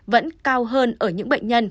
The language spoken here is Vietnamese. vẫn cao hơn ở những bệnh nhân